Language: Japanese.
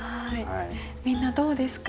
みんなどうですか？